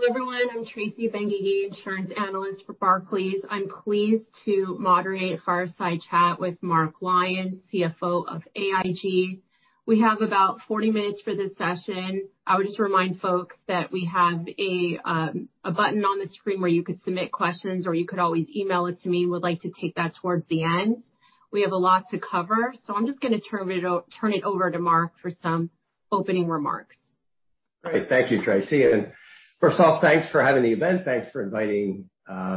Hello, everyone. I'm Tracy Benguigui, insurance analyst for Barclays. I'm pleased to moderate Fireside Chat with Mark Lyons, CFO of AIG. We have about 40 minutes for this session. I would just remind folks that we have a button on the screen where you could submit questions, or you could always email it to me. I would like to take that towards the end. We have a lot to cover. I'm just going to turn it over to Mark for some opening remarks. Great. Thank you, Tracy. First of all, thanks for having the event. Thanks for inviting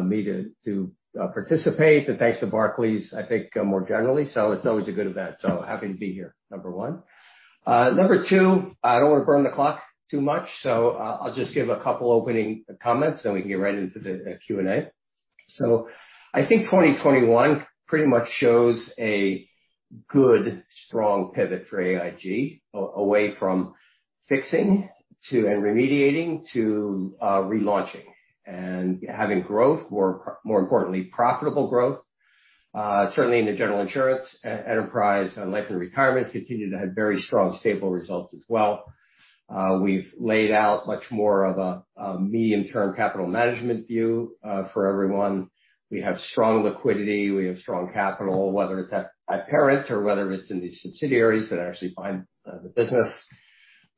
me to participate, and thanks to Barclays, I think, more generally. It's always a good event, so happy to be here, number one. Number two, I don't want to burn the clock too much, so I'll just give a couple opening comments, then we can get right into the Q&A. I think 2021 pretty much shows a good, strong pivot for AIG away from fixing and remediating to relaunching and having growth, more importantly, profitable growth. Certainly in the General Insurance enterprise, and Life & Retirement continue to have very strong, stable results as well. We've laid out much more of a medium-term capital management view for everyone. We have strong liquidity, we have strong capital, whether it's at parent or whether it's in the subsidiaries that actually fund the business.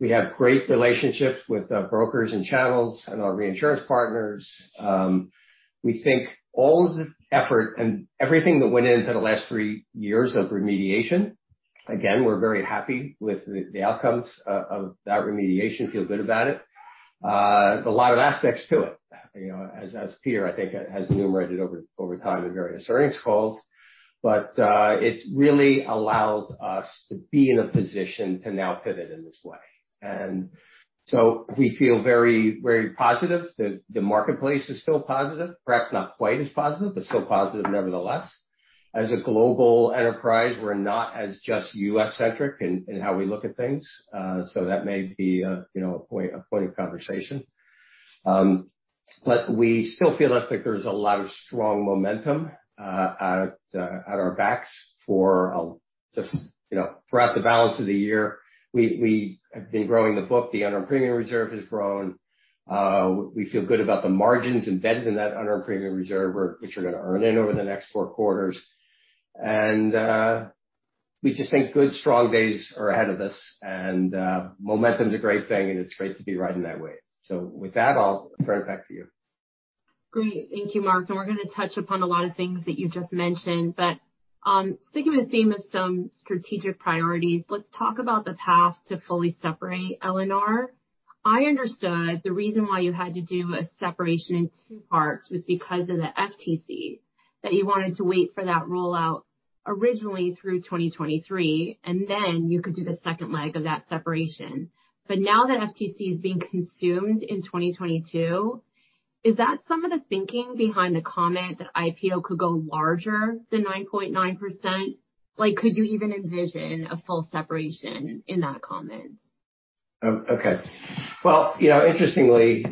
We have great relationships with our brokers and channels and our reinsurance partners. We think all of this effort and everything that went into the last three years of remediation. Again, we're very happy with the outcomes of that remediation, feel good about it. A lot of aspects to it, as Peter, I think, has enumerated over time in various earnings calls. It really allows us to be in a position to now pivot in this way. We feel very positive. The marketplace is still positive. Perhaps not quite as positive, but still positive nevertheless. As a global enterprise, we're not as just U.S.-centric in how we look at things. That may be a point of conversation. We still feel that there's a lot of strong momentum at our backs throughout the balance of the year. We have been growing the book, the unearned premium reserve has grown. We feel good about the margins embedded in that unearned premium reserve, which are going to earn in over the next four quarters. We just think good, strong days are ahead of us, and momentum's a great thing, and it's great to be riding that wave. With that, I'll turn it back to you. Great. Thank you, Mark. We're going to touch upon a lot of things that you just mentioned, but sticking with the theme of some strategic priorities, let's talk about the path to fully separate L&R. I understood the reason why you had to do a separation in two parts was because of the FTC, that you wanted to wait for that rollout originally through 2023, and then you could do the second leg of that separation. Now that FTC is being consumed in 2022, is that some of the thinking behind the comment that IPO could go larger than 9.9%? Could you even envision a full separation in that comment? Well, interestingly,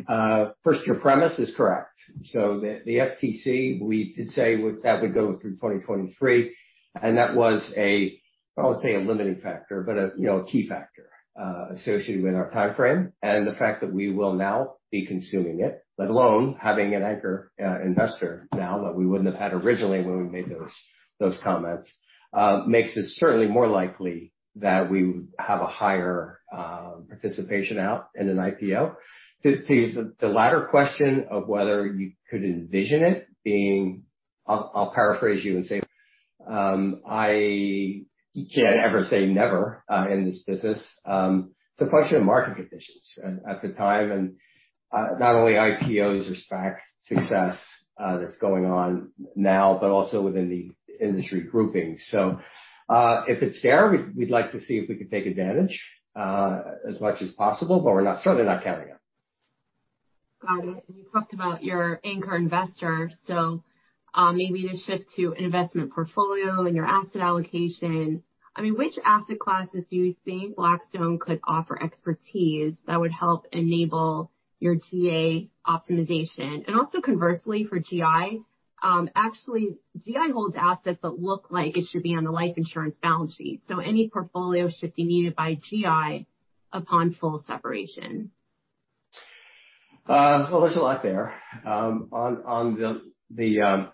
first, your premise is correct. The FTC, we did say that would go through 2023, and that was, I would say, a limiting factor, but a key factor associated with our timeframe. The fact that we will now be consuming it, let alone having an anchor investor now that we wouldn't have had originally when we made those comments, makes it certainly more likely that we have a higher participation out in an IPO. To the latter question of whether you could envision it being I'll paraphrase you and say, I can't ever say never in this business. It's a function of market conditions at the time, and not only IPOs or SPAC success that's going on now, but also within the industry grouping. If it's there, we'd like to see if we could take advantage as much as possible, but we're certainly not counting it. Got it. You talked about your anchor investor, maybe to shift to investment portfolio and your asset allocation. Which asset classes do you think Blackstone could offer expertise that would help enable your GA optimization? Also conversely, for GI, actually GI holds assets that look like it should be on the life insurance balance sheet. Any portfolio shifting needed by GI upon full separation? Well, there's a lot there. On the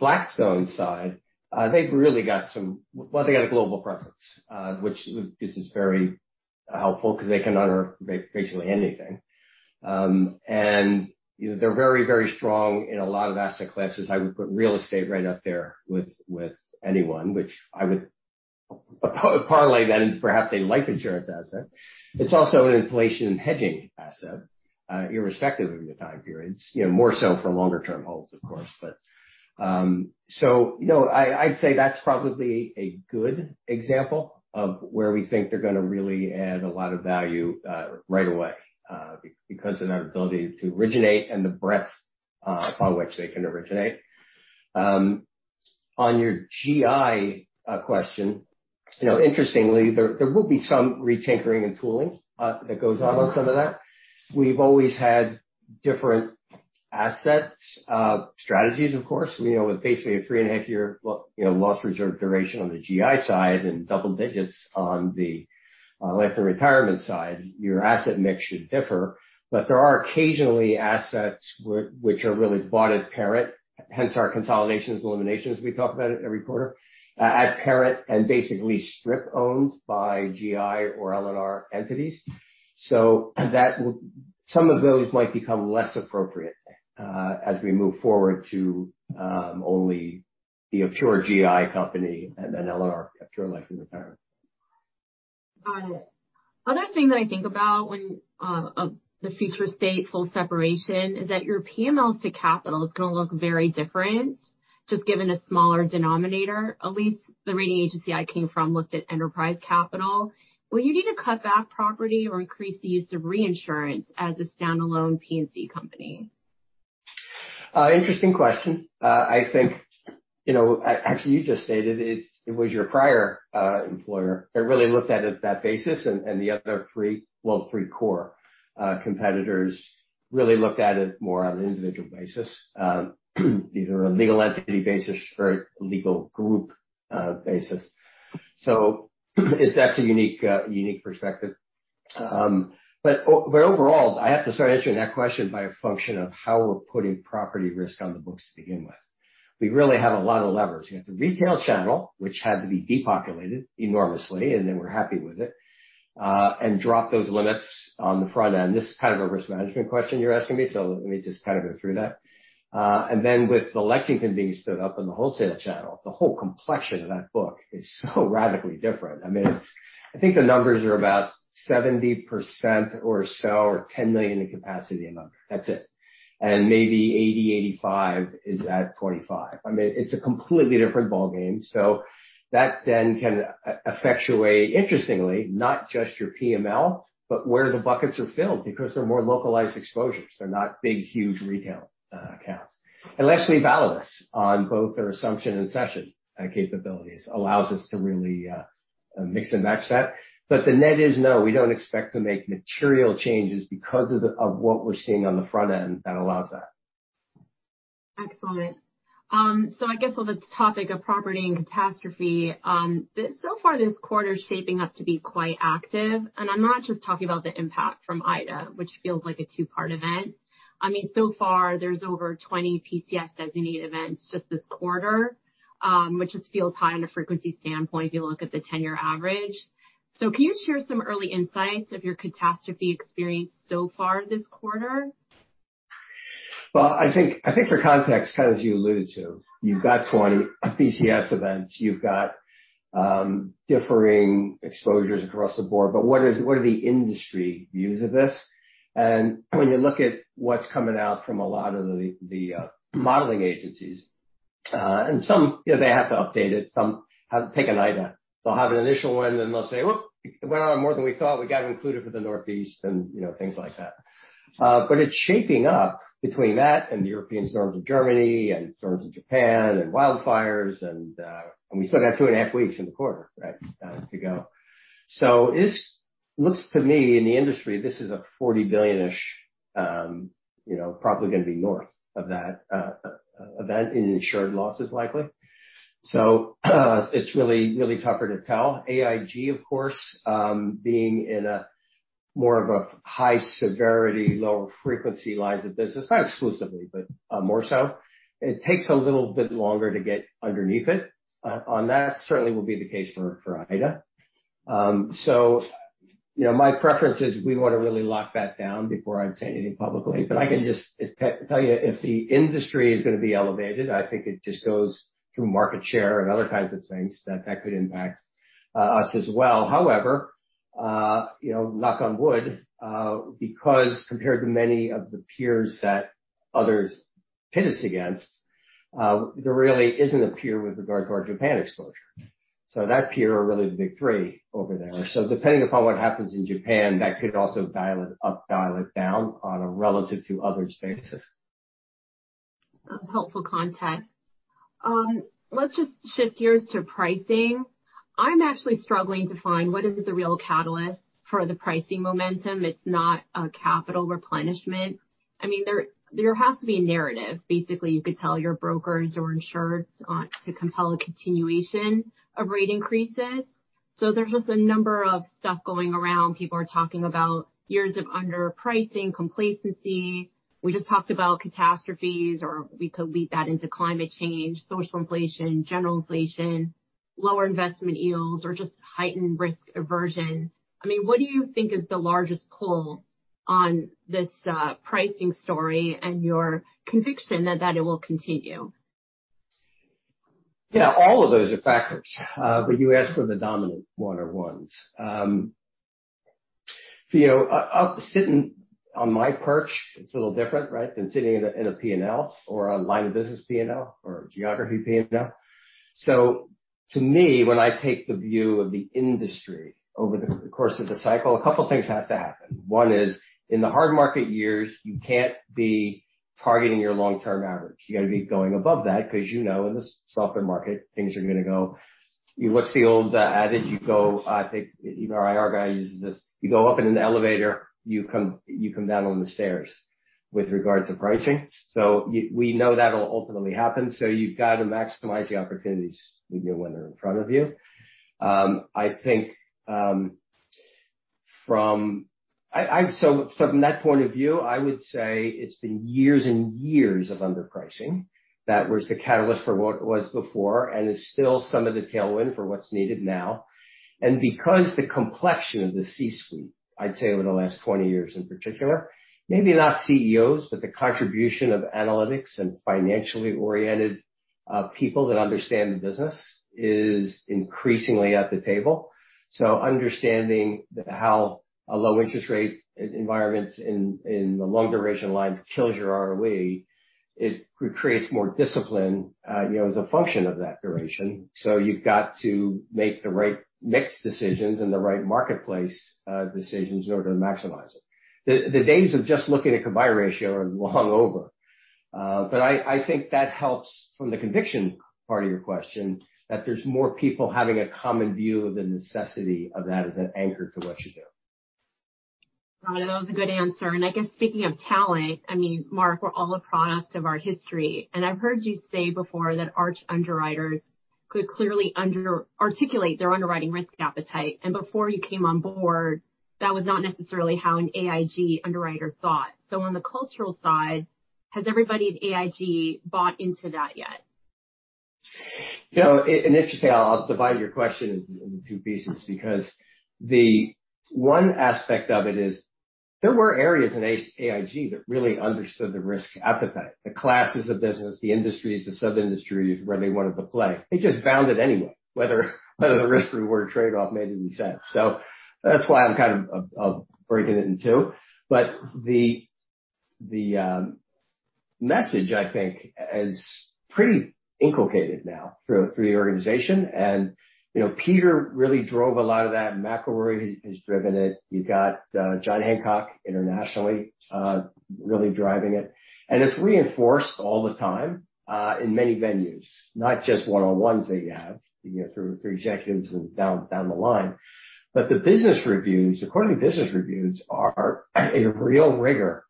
Blackstone side, one, they got a global presence, which is very helpful because they can unearth basically anything. They're very strong in a lot of asset classes. I would put real estate right up there with anyone, which I would parlay that into perhaps a life insurance asset. It's also an inflation hedging asset, irrespective of your time periods, more so for longer term holds, of course. I'd say that's probably a good example of where we think they're going to really add a lot of value right away because of their ability to originate and the breadth upon which they can originate. On your GI question, interestingly, there will be some retinkering and tooling that goes on some of that. We've always had Assets, strategies, of course, with basically a three and a half year loss reserve duration on the GI side and double digits on the Life & Retirement side, your asset mix should differ. There are occasionally assets which are really bought at parent, hence our consolidations, eliminations, we talk about it every quarter, at parent and basically strip owned by GI or L&R entities. Some of those might become less appropriate as we move forward to only be a pure GI company and an L&R, a pure Life & Retirement. Got it. Other thing that I think about when the future state full separation is that your PMLs to capital is going to look very different, just given a smaller denominator. At least the rating agency I came from looked at enterprise capital. Will you need to cut back property or increase the use of reinsurance as a standalone P&C company? Interesting question. I think, actually you just stated it was your prior employer that really looked at it that basis, the other three, well, three core competitors really looked at it more on an individual basis, either a legal entity basis or a legal group basis. That's a unique perspective. Overall, I have to start answering that question by a function of how we're putting property risk on the books to begin with. We really have a lot of leverage. We have the retail channel, which had to be depopulated enormously, and then we're happy with it and drop those limits on the front end. This is kind of a risk management question you're asking me, let me just kind of go through that. Then with the Lexington being stood up in the wholesale channel, the whole complexion of that book is so radically different. I think the numbers are about 70% or so, or $10 million in capacity and under. That's it. Maybe 80%, 85% is at 25%. It's a completely different ballgame. That then can effectuate, interestingly, not just your PML, but where the buckets are filled because they're more localized exposures. They're not big, huge retail accounts. Unless we value this on both their assumption and cession capabilities allows us to really mix and match that. The net is no, we don't expect to make material changes because of what we're seeing on the front end that allows that. Excellent. I guess on the topic of property and catastrophe, so far, this quarter is shaping up to be quite active, and I'm not just talking about the impact from Ida, which feels like a two-part event. So far, there's over 20 PCS designated events just this quarter, which just feels high on a frequency standpoint if you look at the 10-year average. Can you share some early insights of your catastrophe experience so far this quarter? Well, I think for context, as you alluded to, you've got 20 PCS events. You've got differing exposures across the board. What are the industry views of this? When you look at what's coming out from a lot of the modeling agencies, and some, they have to update it, some have to take an Ida. They'll have an initial one, then they'll say, "Well, it went on more than we thought. We've got to include it for the Northeast," and things like that. It's shaping up between that and the European storms in Germany and storms in Japan and wildfires, and we still got two and a half weeks in the quarter, right, to go. This looks to me, in the industry, this is a $40 billion-ish, probably going to be north of that, event in insured losses, likely. It's really tougher to tell. AIG, of course, being in a more of a high severity, lower frequency lines of business, not exclusively, but more so, it takes a little bit longer to get underneath it. On that, certainly will be the case for Ida. My preference is we want to really lock that down before I'd say anything publicly, but I can just tell you if the industry is going to be elevated, I think it just goes through market share and other kinds of things that that could impact us as well. However, knock on wood, because compared to many of the peers that others pit us against, there really isn't a peer with regard to our Japan exposure. That peer are really the big three over there. Depending upon what happens in Japan, that could also dial it up, dial it down on a relative to others basis. That's helpful context. Let's just shift gears to pricing. I'm actually struggling to find what is the real catalyst for the pricing momentum. It's not a capital replenishment. There has to be a narrative. Basically, you could tell your brokers or insureds to compel a continuation of rate increases. There's just a number of stuff going around. People are talking about years of underpricing, complacency. We just talked about catastrophes, or we could lead that into climate change, social inflation, general inflation, lower investment yields, or just heightened risk aversion. What do you think is the largest pull on this pricing story and your conviction that it will continue? All of those are factors. But you asked for the dominant one or ones. Sitting on my perch, it's a little different, right, than sitting in a P&L or a line of business P&L or a geography P&L. To me, when I take the view of the industry over the course of the cycle, a couple of things have to happen. One is, in the hard market years, you can't be targeting your long-term average. You got to be going above that because you know in the softer market, things are going to go What's the old adage? You go, I think even our IR guy uses this, you go up in an elevator, you come down on the stairs with regards to pricing. We know that'll ultimately happen. You've got to maximize the opportunities when they're in front of you. From that point of view, I would say it's been years and years of underpricing. That was the catalyst for what was before and is still some of the tailwind for what's needed now. Because the complexion of the C-suite, I'd say over the last 20 years in particular, maybe not CEOs, but the contribution of analytics and financially oriented people that understand the business is increasingly at the table. Understanding how a low interest rate environment in the long duration lines kills your ROE, it creates more discipline as a function of that duration. You've got to make the right mix decisions and the right marketplace decisions in order to maximize it. The days of just looking at combined ratio are long over. I think that helps from the conviction part of your question, that there's more people having a common view of the necessity of that as an anchor to what you do. Got it. That was a good answer. I guess speaking of talent, Mark, we're all a product of our history, and I've heard you say before that Arch underwriters could clearly articulate their underwriting risk appetite. Before you came on board, that was not necessarily how an AIG underwriter thought. On the cultural side, has everybody at AIG bought into that yet? If you can, I'll divide your question into two pieces because the one aspect of it is there were areas in AIG that really understood the risk appetite, the classes of business, the industries, the sub-industries where they wanted to play. They just bound it anyway, whether the risk reward trade-off made any sense. That's why I'm kind of breaking it in two. The message, I think, is pretty inculcated now through the organization. Peter really drove a lot of that. McElroy has driven it. You've got Jon Hancock internationally really driving it. It's reinforced all the time, in many venues, not just one-on-ones that you have through executives and down the line. The quarterly business reviews are a real rigor,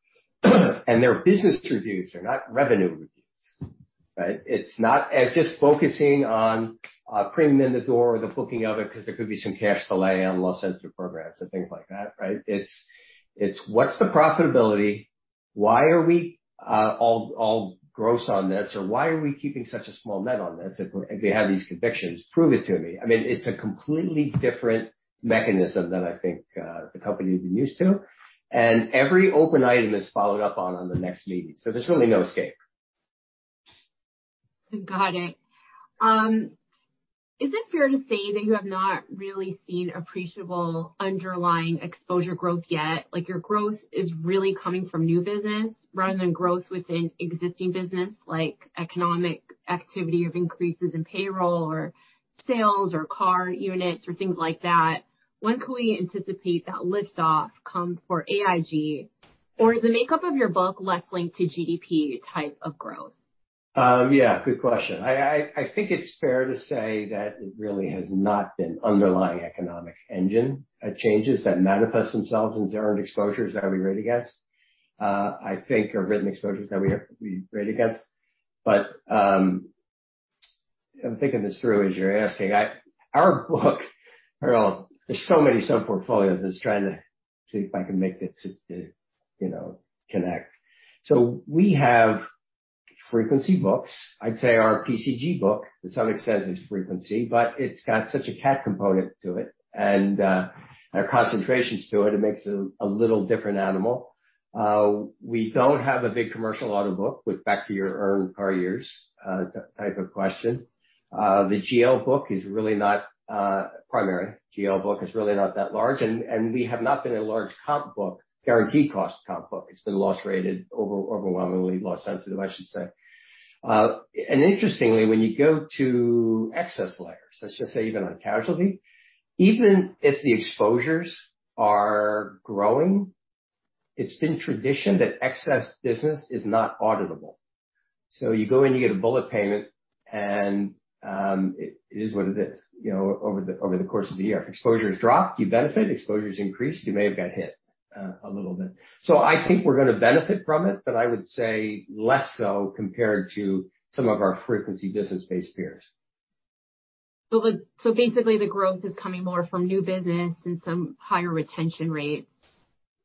and they're business reviews are not revenue reviews, right? It's not just focusing on premium in the door or the booking of it, because there could be some cash delay on loss sensitive programs and things like that, right? It's what's the profitability? Why are we all gross on this? Or why are we keeping such a small net on this? If you have these convictions, prove it to me. It's a completely different mechanism than I think the company had been used to. Every open item is followed up on the next meeting, so there's really no escape. Got it. Is it fair to say that you have not really seen appreciable underlying exposure growth yet? Like your growth is really coming from new business rather than growth within existing business, like economic activity of increases in payroll or sales or car units or things like that. When can we anticipate that lift-off come for AIG? Or is the makeup of your book less linked to GDP type of growth? Yeah, good question. I think it's fair to say that it really has not been underlying economic engine changes that manifest themselves in zero exposures that we write against. I think our written exposures that we write against. I'm thinking this through as you're asking. Our book, there's so many sub-portfolios, and it's trying to see if I can make this connect. We have frequency books. I'd say our PCG book, some would say is frequency, but it's got such a cat component to it and our concentrations to it makes it a little different animal. We don't have a big commercial auto book with back to your earned car years, type of question. The GL book is really not primary. GL book is really not that large, and we have not been a large comp book, guaranteed cost comp book. It's been loss rated, overwhelmingly loss sensitive, I should say. Interestingly, when you go to excess layers, let's just say even on casualty, even if the exposures are growing, it's been tradition that excess business is not auditable. You go in, you get a bullet payment, and it is what it is over the course of the year. If exposures drop, you benefit. Exposures increase, you may have got hit a little bit. I think we're going to benefit from it, but I would say less so compared to some of our frequency business-based peers. Basically the growth is coming more from new business and some higher retention rates?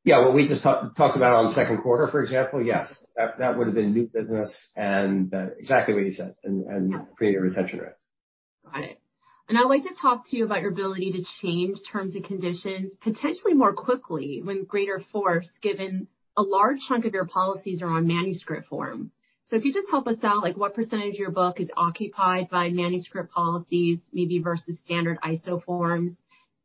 Yeah. What we just talked about on second quarter, for example. Yes. That would have been new business and exactly what you said, and greater retention rates. Got it. I'd like to talk to you about your ability to change terms and conditions potentially more quickly when greater force, given a large chunk of your policies are on manuscript form. If you just help us out, like what % of your book is occupied by manuscript policies maybe versus standard ISO forms,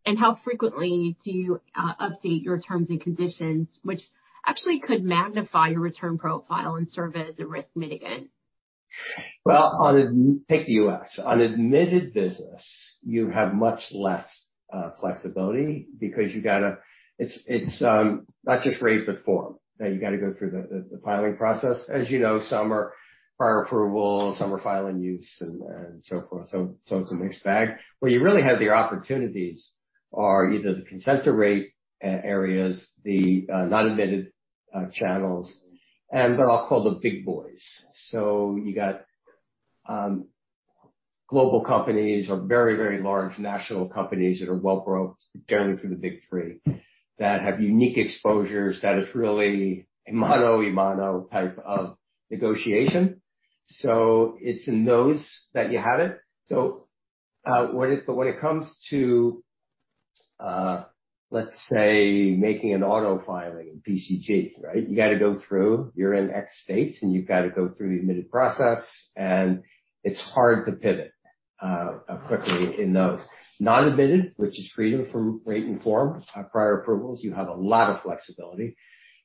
and how frequently do you update your terms and conditions, which actually could magnify your return profile and serve as a risk mitigant? Well, take the U.S. On admitted business, you have much less flexibility because it's not just rate but form. Now you got to go through the filing process. As you know, some are prior approval, some are file and use, and so forth. It's a mixed bag. Where you really have the opportunities are either the consensus rate areas, the non-admitted channels, and what I'll call the big boys. You got global companies or very, very large national companies that are well grown, generally through the big three, that have unique exposures that is really a mano a mano type of negotiation. It's in those that you have it. When it comes to, let's say, making an auto filing in PCG, right? You've got to go through, you're in X states, and you've got to go through the admitted process, and it's hard to pivot quickly in those. Non-admitted, which is freedom from rate and form, prior approvals, you have a lot of flexibility.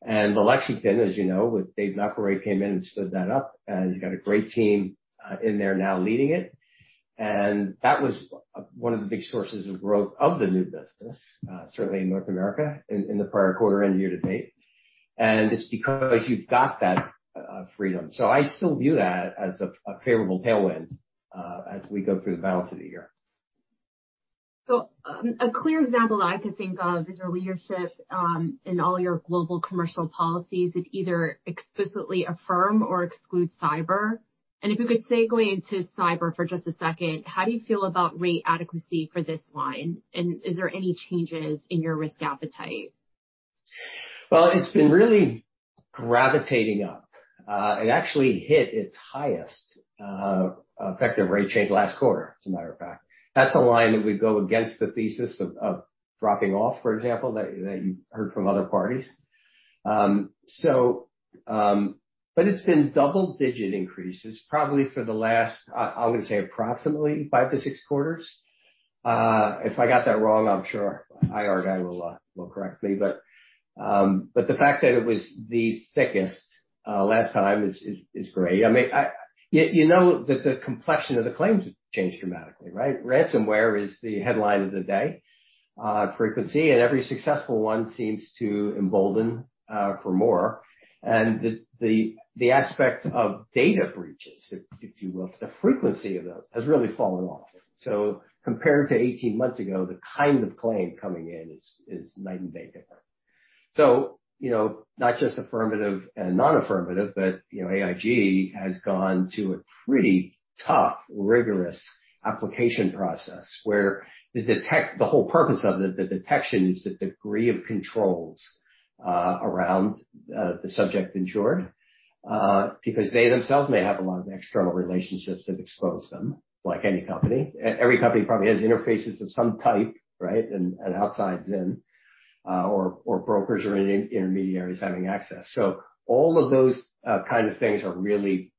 The Lexington, as you know, with Dave McElroy came in and stood that up, and he's got a great team in there now leading it. That was one of the big sources of growth of the new business, certainly in North America in the prior quarter and year to date. It's because you've got that freedom. I still view that as a favorable tailwind as we go through the balance of the year. A clear example that I could think of is your leadership in all your global commercial policies that either explicitly affirm or exclude cyber. If you could, say, go into cyber for just a second, how do you feel about rate adequacy for this line, and is there any changes in your risk appetite? Well, it's been really gravitating up. It actually hit its highest effective rate change last quarter, as a matter of fact. That's a line that would go against the thesis of dropping off, for example, that you heard from other parties. It's been double-digit increases probably for the last, I would say, approximately five to six quarters. If I got that wrong, I'm sure our IR guy will correct me. The fact that it was the thickest last time is great. You know that the complexion of the claims have changed dramatically, right? Ransomware is the headline of the day, frequency, and every successful one seems to embolden for more. The aspect of data breaches, if you will, the frequency of those has really fallen off. Compared to 18 months ago, the kind of claim coming in is night and day different. Not just affirmative and non-affirmative, but AIG has gone to a pretty tough, rigorous application process where the whole purpose of the detection is the degree of controls around the subject insured because they themselves may have a lot of external relationships that expose them, like any company. Every company probably has interfaces of some type, right, an outside vendor or brokers or intermediaries having access. All of those kind of things are really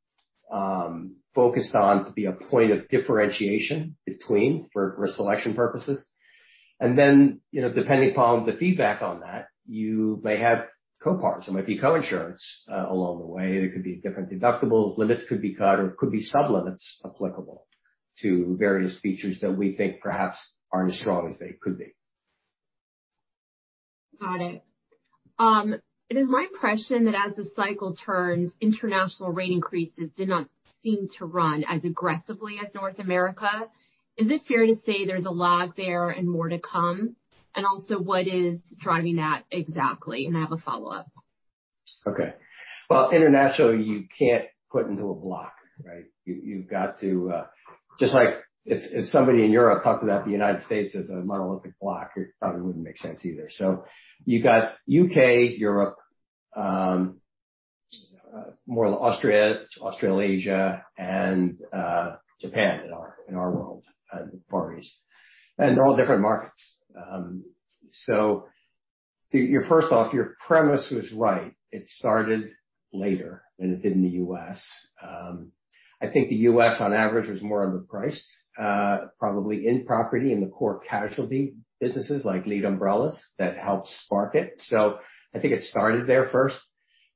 focused on to be a point of differentiation between for risk selection purposes. Depending upon the feedback on that, you may have coparticipation. It might be co-insurance along the way. There could be different deductibles, limits could be cut, or could be sub-limits applicable to various features that we think perhaps aren't as strong as they could be. Got it. It is my impression that as the cycle turns, international rate increases did not seem to run as aggressively as North America. Is it fair to say there's a lag there and more to come? Also, what is driving that exactly? I have a follow-up. Okay. Well, international, you can't put into a block, right? If somebody in Europe talked about the U.S. as a monolithic block, it probably wouldn't make sense either. You got U.K., Europe, more Australia, Australasia, and Japan in our world, and the Far East, and they're all different markets. First off, your premise was right. It started later than it did in the U.S. I think the U.S. on average was more underpriced, probably in property in the core casualty businesses like lead umbrellas that helped spark it. I think it started there first.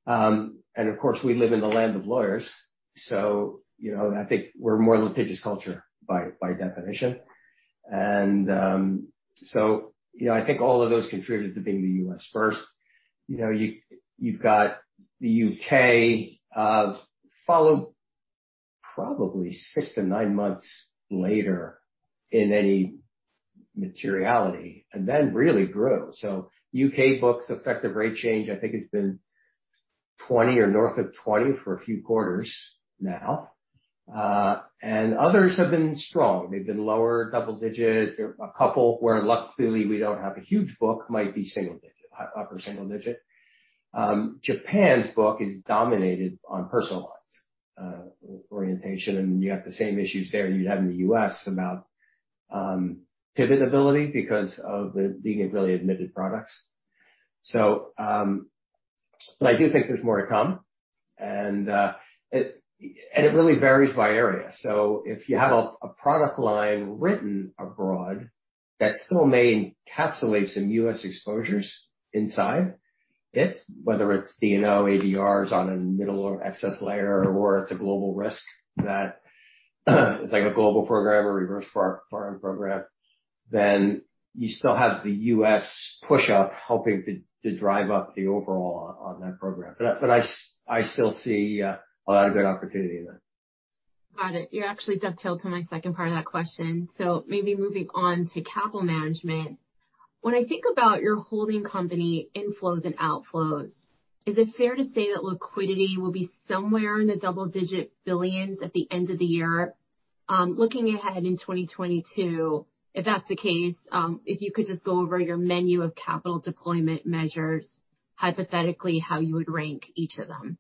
Of course, we live in the land of lawyers, so I think we're a more litigious culture by definition. I think all of those contributed to being the U.S. first. You've got the U.K. followed probably six to nine months later in any materiality and then really grew. U.K. book's effective rate change, I think it's been 20 or north of 20 for a few quarters now. Others have been strong. They've been lower double digit. A couple where luckily we don't have a huge book, might be single digit, upper single digit. Japan's book is dominated on personal lines orientation, and you have the same issues there you have in the U.S. about pivot ability because of it being really admitted products. I do think there's more to come, and it really varies by area. If you have a product line written abroad that still may encapsulate some U.S. exposures inside it, whether it's D&O, ADRs on a middle or excess layer, or it's a global risk that is like a global program or reverse flow program, then you still have the U.S. push-up helping to drive up the overall on that program. I still see a lot of good opportunity there. Got it. You actually dovetailed to my second part of that question. Maybe moving on to capital management. When I think about your holding company inflows and outflows, is it fair to say that liquidity will be somewhere in the double-digit billions at the end of the year? Looking ahead in 2022, if that's the case, if you could just go over your menu of capital deployment measures, hypothetically, how you would rank each of them.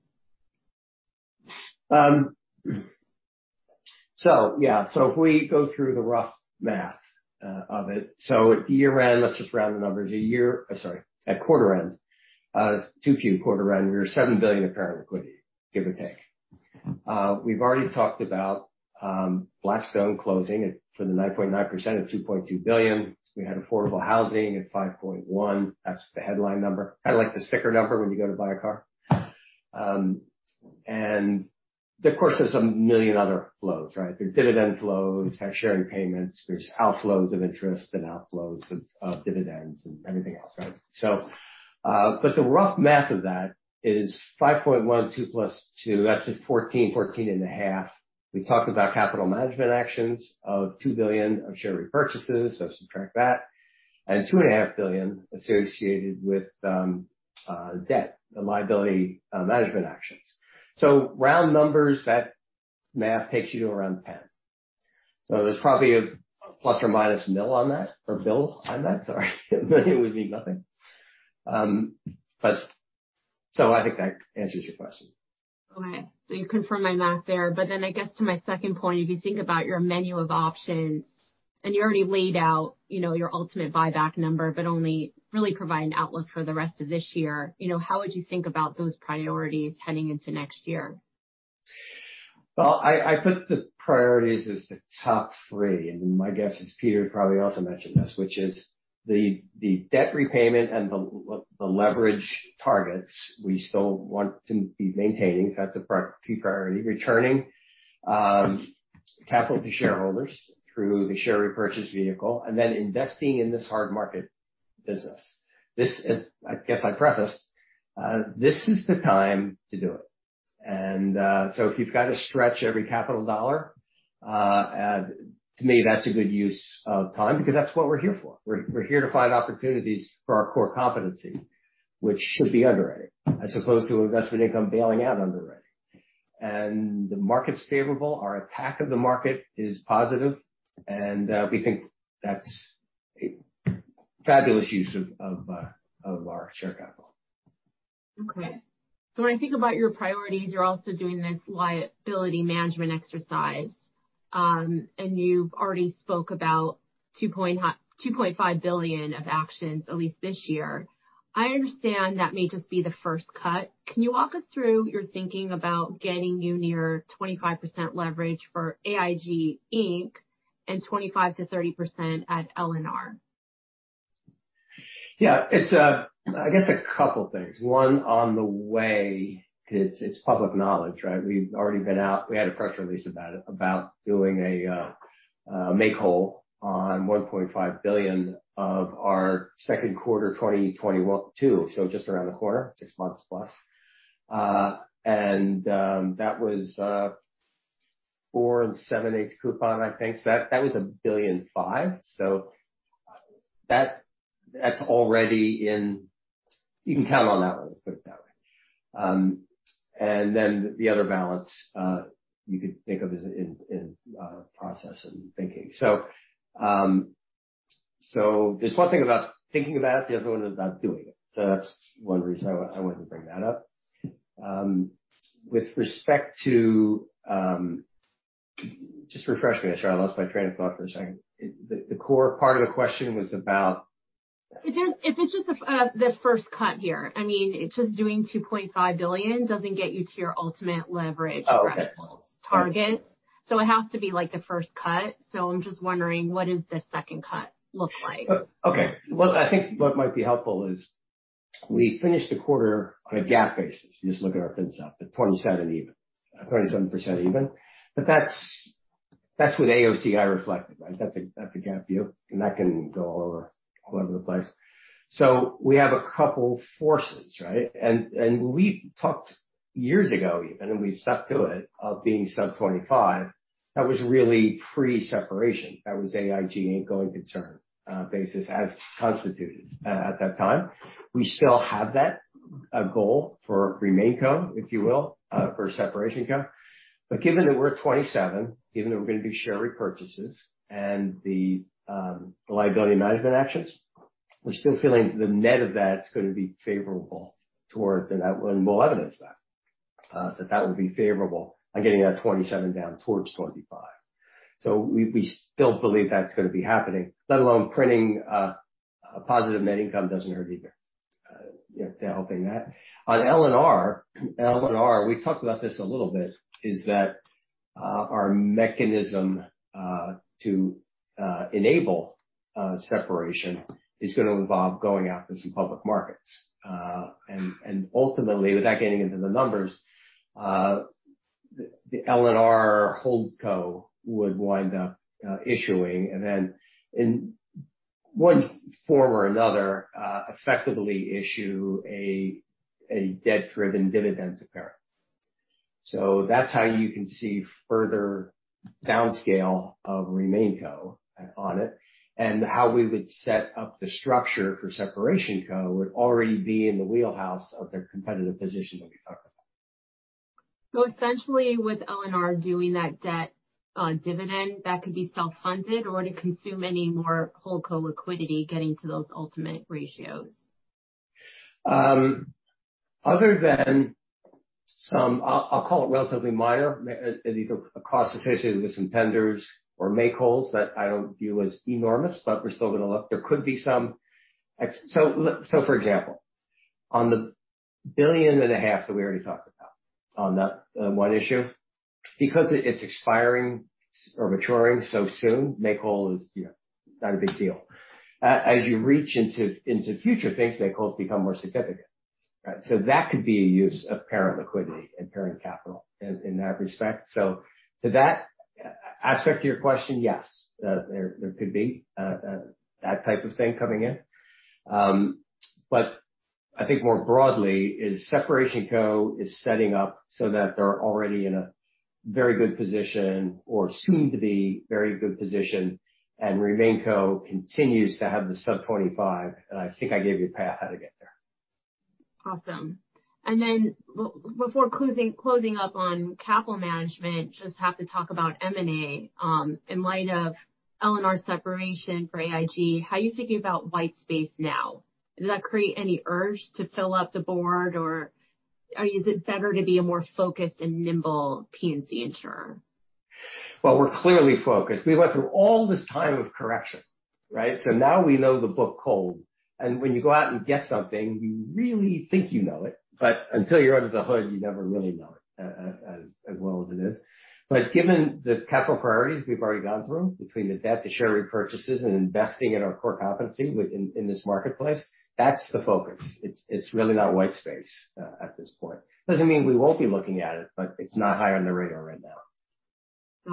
Yeah. If we go through the rough math of it. At year-end, let's just round the numbers. Sorry, at quarter end, quarter end, we were $7 billion of current liquidity, give or take. We've already talked about Blackstone closing for the 9.9% at $2.2 billion. We had affordable housing at $5.1. That's the headline number. Kind of like the sticker number when you go to buy a car. Of course, there's 1 million other flows, right? There's dividend flows, there's share repurchasing payments, there's outflows of interest and outflows of dividends and everything else, right? But the rough math of that is $5.1, two plus two, that's at 14 and a half. We talked about capital management actions of $2 billion of share repurchases, so subtract that. Two and a half billion associated with debt, the liability management actions. Round numbers, that math takes you to around 10. There's probably a plus or minus mil on that, or bill on that. Sorry. 1 million would be nothing. I think that answers your question. Okay. You confirmed my math there. I guess to my second point, if you think about your menu of options, you already laid out your ultimate buyback number, but only really provide an outlook for the rest of this year. How would you think about those priorities heading into next year? Well, I put the priorities as the top three, and my guess is Peter probably also mentioned this, which is the debt repayment and the leverage targets we still want to be maintaining. That's a key priority. Returning capital to shareholders through the share repurchase vehicle, then investing in this hard market business. I guess I prefaced, this is the time to do it. If you've got to stretch every capital dollar, to me, that's a good use of time because that's what we're here for. We're here to find opportunities for our core competency, which should be underwriting, as opposed to investment income bailing out underwriting. The market's favorable. Our attack of the market is positive, and we think that's a fabulous use of our share capital. When I think about your priorities, you're also doing this liability management exercise. You've already spoken about $2.5 billion of actions, at least this year. I understand that may just be the first cut. Can you walk us through your thinking about getting you near 25% leverage for AIG Inc. and 25%-30% at L&R? Yeah. I guess a couple things. One, on the way, it's public knowledge, right? We've already been out. We had a press release about it, about doing a make whole on $1.5 billion of our 2Q 2022, so just around the corner, 6 months+. That was 4 and 7/8 coupon, I think. That was $1.5 billion. That's already in You can count on that one. Let's put it that way. The other balance, you could think of as in process and thinking. There's one thing about thinking about it, the other one is about doing it. That's one reason I wanted to bring that up. With respect to, just refresh me. Sorry, I lost my train of thought for a second. The core part of the question was about? If it's just the first cut here. I mean, just doing $2.5 billion doesn't get you to your ultimate leverage threshold target. Okay. It has to be like the first cut. I'm just wondering, what does the second cut look like? Okay. Look, I think what might be helpful is we finished the quarter on a GAAP basis. You just look at our heads up at 27 even, at 27% even. That's what AOCI reflected, right? That's a GAAP view, and that can go all over the place. We have a couple forces, right? We talked years ago even, and we've stuck to it, of being sub 25. That was really pre-separation. That was AIG a going concern basis as constituted at that time. We still have that goal for RemainCo, if you will, for SeparationCo. Given that we're at 27, given that we're going to do share repurchases and the liability management actions, we're still feeling the net of that's going to be favorable towards. We'll evidence that that will be favorable on getting that 27 down towards 25. We still believe that's going to be happening, let alone printing a positive net income doesn't hurt either to helping that. On L&R, we talked about this a little bit, is that our mechanism to enable separation is going to involve going out to some public markets. Ultimately, without getting into the numbers, the L&R holdco would wind up issuing and then One form or another, effectively issue a debt-driven dividend to parent. That's how you can see further downscale of RemainCo on it, and how we would set up the structure for SeparationCo would already be in the wheelhouse of their competitive position that we talked about. Essentially with L&R doing that debt on dividend, that could be self-funded or to consume any more holdco liquidity getting to those ultimate ratios. Other than some, I'll call it relatively minor, these are costs associated with some tenders or make wholes that I don't view as enormous. We're still going to look. There could be some. For example, on the billion and a half that we already talked about on that one issue, because it's expiring or maturing so soon, make whole is not a big deal. As you reach into future things, make wholes become more significant, right? That could be a use of parent liquidity and parent capital in that respect. To that aspect to your question, yes, there could be that type of thing coming in. I think more broadly is SeparationCo is setting up so that they're already in a very good position or soon to be very good position, and RemainCo continues to have the sub 25, and I think I gave you a path how to get there. Awesome. Before closing up on capital management, just have to talk about M&A. In light of L&R separation for AIG, how are you thinking about white space now? Does that create any urge to fill up the board, or is it better to be a more focused and nimble P&C insurer? We're clearly focused. We went through all this time of correction, right? Now we know the book cold, and when you go out and get something, you really think you know it, but until you're under the hood, you never really know it as well as it is. Given the capital priorities we've already gone through between the debt, the share repurchases, and investing in our core competency within this marketplace, that's the focus. It's really not white space at this point. Doesn't mean we won't be looking at it, but it's not high on the radar right now.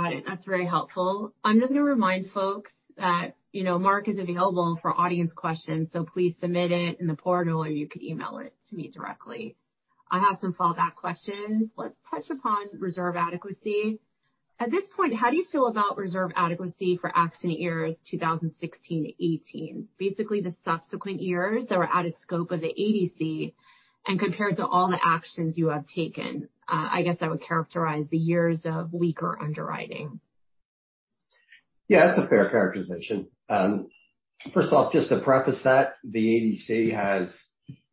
Got it. That's very helpful. I'm just going to remind folks that Mark is available for audience questions, please submit it in the portal, or you can email it to me directly. I have some fallback questions. Let's touch upon reserve adequacy. At this point, how do you feel about reserve adequacy for accident years 2016-2018? Basically, the subsequent years that were out of scope of the ADC and compared to all the actions you have taken. I guess I would characterize the years of weaker underwriting. That's a fair characterization. First off, just to preface that, the ADC has,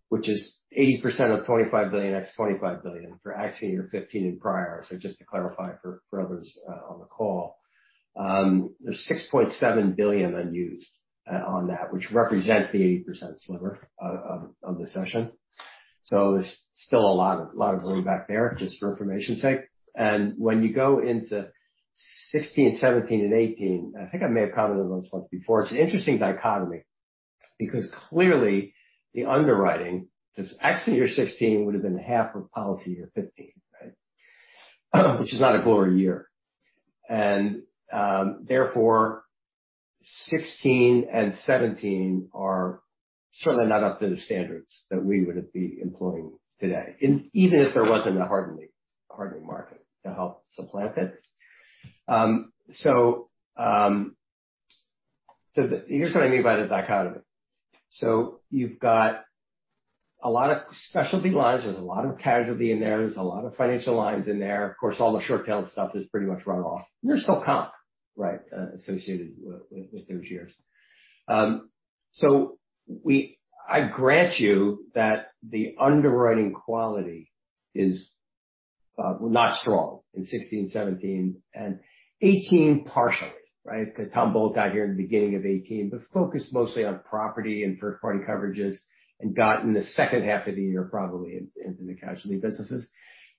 which is 80% of $25 billion, that's $45 billion for accident year 2015 and prior. Just to clarify for others on the call. There's $6.7 billion unused on that, which represents the 80% sliver of the cession. There's still a lot of room back there, just for information's sake. When you go into '16, '17, and '18, I think I may have covered it once before. It's an interesting dichotomy because clearly the underwriting, because accident year '16 would've been half of policy year '15, right? Not a glory year. Therefore, '16 and '17 are certainly not up to the standards that we would be employing today, even if there wasn't a hardening market to help supplant it. Here's what I mean by the dichotomy. You've got a lot of specialty lines. There's a lot of casualty in there. There's a lot of financial lines in there. Of course, all the short-tailed stuff is pretty much run off, and there's still comp, right, associated with those years. I grant you that the underwriting quality is not strong in '16, '17, and '18 partially, right? Because Tom Bolt got here in the beginning of '18, but focused mostly on property and first-party coverages and got in the second half of the year, probably into the casualty businesses.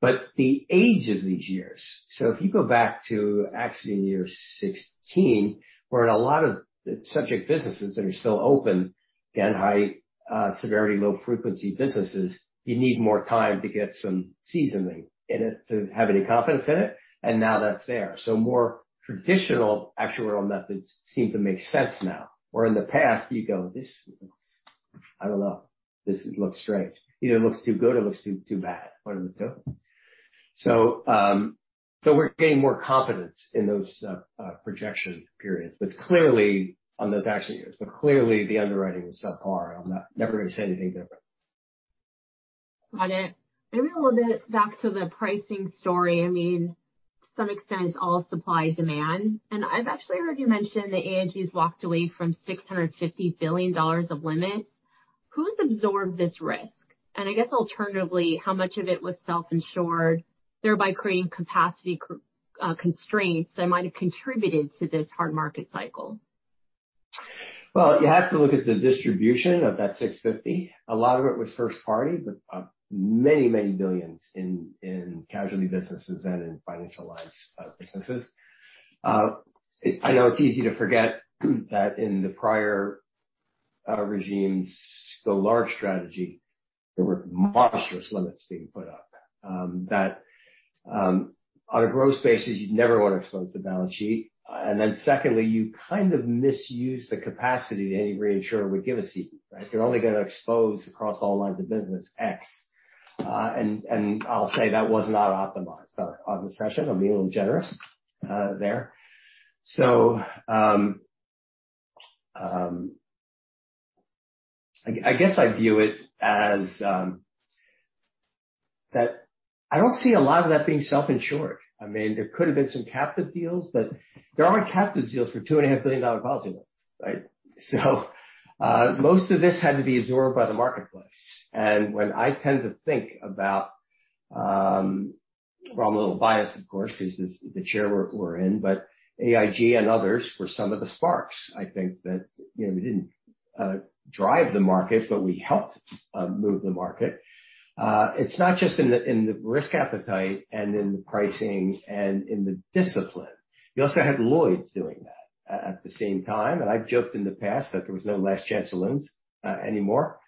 The age of these years, if you go back to accident year '16, where in a lot of subject businesses that are still open, again, high severity, low frequency businesses, you need more time to get some seasoning in it to have any confidence in it, and now that's there. More traditional actuarial methods seem to make sense now. In the past you go, "This, I don't know. This looks strange." Either it looks too good or it looks too bad, one of the two. We're gaining more confidence in those projection periods, but it's clearly on those accident years. Clearly the underwriting was subpar. I'm never going to say anything different. Got it. Maybe a little bit back to the pricing story. To some extent, it's all supply, demand. I've actually heard you mention that AIG's walked away from $650 billion of limits. Who's absorbed this risk? I guess alternatively, how much of it was self-insured, thereby creating capacity constraints that might have contributed to this hard market cycle? Well, you have to look at the distribution of that 650. A lot of it was first party, but many, many billions in casualty businesses and in financial lines businesses. I know it's easy to forget that in the prior regimes, the large strategy. There were monstrous limits being put up, that on a gross basis, you'd never want to expose the balance sheet. Secondly, you kind of misuse the capacity that any reinsurer would give a cedent, right? You're only going to expose across all lines of business, X. I'll say that was not optimized on this cession. I'm being a little generous there. I guess I view it as that I don't see a lot of that being self-insured. There could have been some captive deals, but there aren't captive deals for $2.5 billion policy limits, right? Most of this had to be absorbed by the marketplace. When I tend to think about, well, I'm a little biased of course, because this is the chair we're in, but AIG and others were some of the sparks, I think that, we didn't drive the market, but we helped move the market. It's not just in the risk appetite and in the pricing and in the discipline. You also had Lloyd's doing that at the same time. I've joked in the past that there was no last-chance saloon anymore.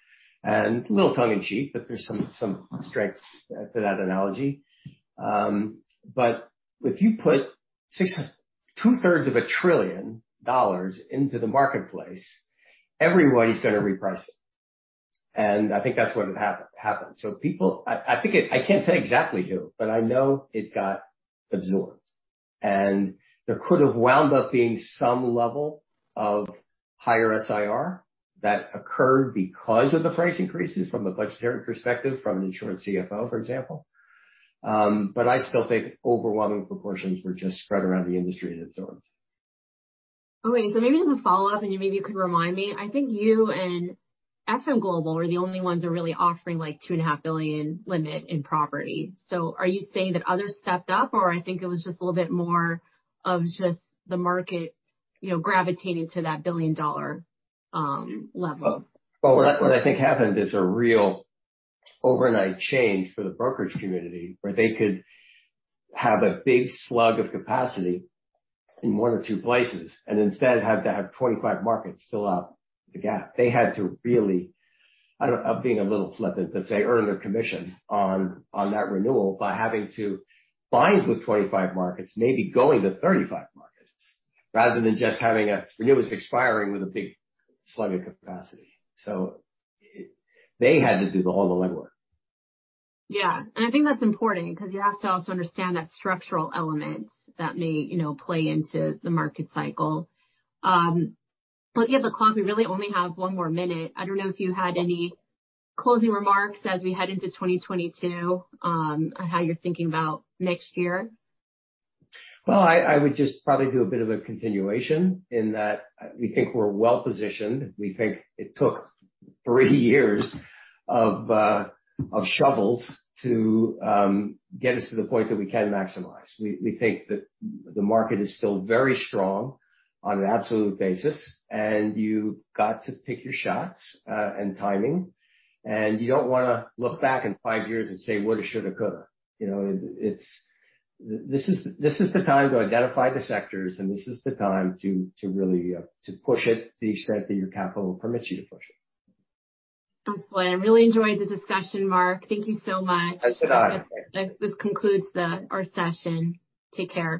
A little tongue in cheek, but there's some strength to that analogy. If you put two-thirds of a trillion dollars into the marketplace, everybody's going to reprice it. I think that's what happened. People, I can't say exactly who, but I know it got absorbed. There could have wound up being some level of higher SIR that occurred because of the price increases from a budgetary perspective, from an insurance CFO, for example. I still think overwhelming proportions were just spread around the industry and absorbed. Okay, maybe as a follow-up, maybe you could remind me, I think you and FM Global were the only ones who were really offering, like, $2.5 billion limit in property. Are you saying that others stepped up, or I think it was just a little bit more of just the market gravitating to that billion-dollar level. What I think happened is a real overnight change for the brokerage community, where they could have a big slug of capacity in one or two places, and instead have to have 25 markets fill up the gap. They had to really, I'm being a little flippant, but say, earn their commission on that renewal by having to bind with 25 markets, maybe going to 35 markets, rather than just having a renewals expiring with a big slug of capacity. They had to do all the legwork. Yeah. I think that's important because you have to also understand that structural elements that may play into the market cycle. Looking at the clock, we really only have one more minute. I don't know if you had any closing remarks as we head into 2022, on how you're thinking about next year. Well, I would just probably do a bit of a continuation in that we think we're well-positioned. We think it took three years of shovels to get us to the point that we can maximize. We think that the market is still very strong on an absolute basis. You've got to pick your shots and timing, and you don't want to look back in five years and say, "Would've, should've, could've." This is the time to identify the sectors. This is the time to really push it to the extent that your capital permits you to push it. Excellent. I really enjoyed the discussion, Mark. Thank you so much. It's a honor. This concludes our session. Take care.